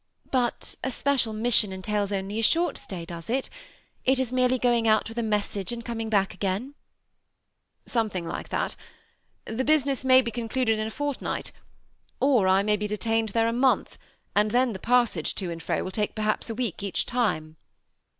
But a special mission entails only a short stay, does it ? It is merely going oi|^ with a message and coming back again ?".^ Something like that ; the business may be conclud ed in a fortnight, or I may be detained there a month, and then the passage to and fro will take perhaps a week each time."